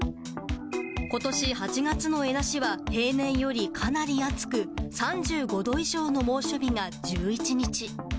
ことし８月の恵那市は、平年よりかなり暑く、３５度以上の猛暑日が１１日。